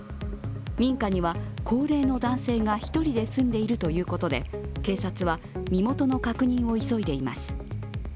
民家には高齢の男性が１人で住んでいるということで警察は身元の確認を急いでいます。